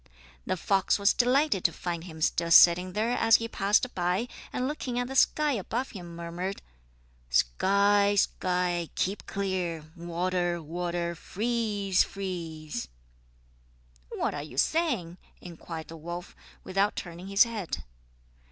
The fox was delighted to find him still sitting there as he passed by, and looking at the sky above him murmured: "Sky, sky, keep clear! Water, water, freeze, freeze!" "What are you saying?" inquired the wolf, without turning his head.